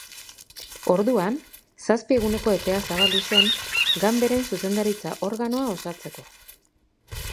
Orduan zazpi eguneko epea zabaldu zen ganberen zuzendaritza organoa osatzeko.